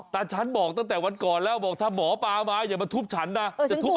ตาฉันบอกอย่าเอาค้นมาทุบอะไรนะ